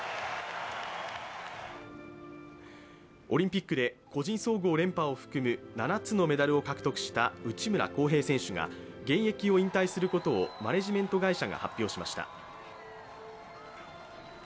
オリンピックで個人総合連覇を含む７つのメダルを獲得した内村航平選手が現役を引退することをマネジメント会社が発表しました。